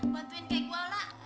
bantuin kayak gua lah